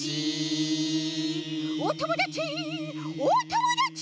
おともだちおともだち！